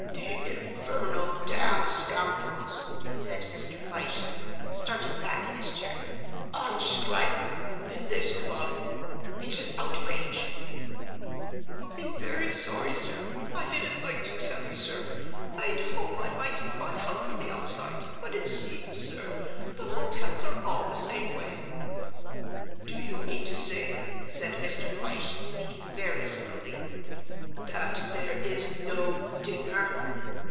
"The infernal, damn scoundrels!" said Mr. Fyshe, starting back in his chair. "On strike: in this club! It's an outrage!" "I'm very sorry sir. I didn't like to tell you, sir. I'd hoped I might have got help from the outside, but it seems, sir, the hotels are all the same way." "Do you mean to say," said Mr. Fyshe, speaking very slowly, "that there is no dinner?"